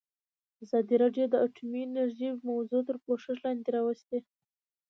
ازادي راډیو د اټومي انرژي موضوع تر پوښښ لاندې راوستې.